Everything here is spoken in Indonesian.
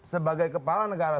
sebagai kepala negara